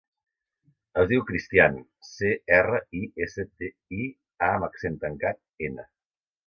Es diu Cristián: ce, erra, i, essa, te, i, a amb accent tancat, ena.